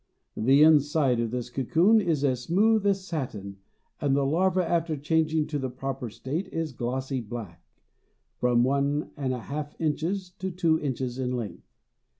The inside of this cocoon is as smooth as satin and the larva after changing to the proper state is glossy black, from one and a half inches to two inches in length.